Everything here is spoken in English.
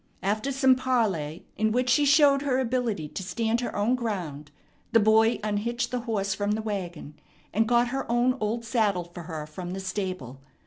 After some parley, in which she showed her ability to stand her own ground, the boy unhitched the horse from the wagon, and got her own old saddle for her from the stable.